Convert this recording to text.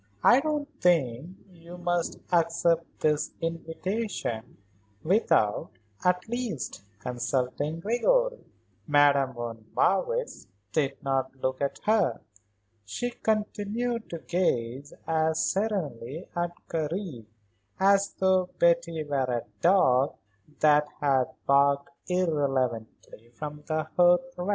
"I don't think that you must accept this invitation without, at least, consulting Gregory." Madame von Marwitz did not look at her. She continued to gaze as serenely at Karen as though Betty were a dog that had barked irrelevantly from the hearth rug.